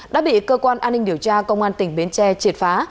đã bị cơ quan an ninh điều tra công an tỉnh bến tre triệt phá